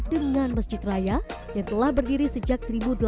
dengan masjid raya yang telah berdiri sejak seribu delapan ratus delapan puluh